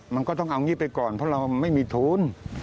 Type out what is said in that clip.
มันก็ต้องเอางี้ไปก่อนเพราะเราไม่มีทุน